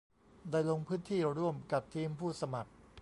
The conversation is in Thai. ได้ลงพื้นที่ร่วมกับทีมผู้สมัคร